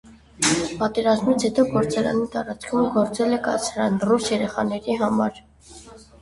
Պատերազմից հետո գործարանի տարածքում գործել է կացարան՝ ռուս երեխաների համար։